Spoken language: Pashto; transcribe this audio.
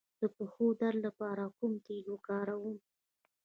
د پښو د درد لپاره کوم تېل وکاروم؟